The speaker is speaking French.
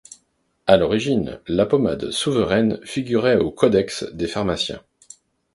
À l'origine, la pommade souveraine figurait au codex des pharmaciens.